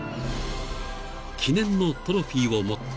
［記念のトロフィーを持って］